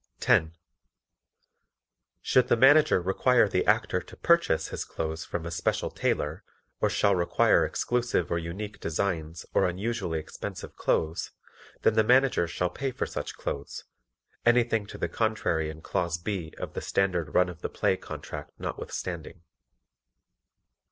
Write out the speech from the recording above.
10. Should the Manager require the Actor "to purchase" his clothes from a special tailor or shall require exclusive or unique designs or unusually expensive clothes, then the Manager shall pay for such clothes, anything to the contrary in Clause B of the Standard Run of the Play Contract notwithstanding.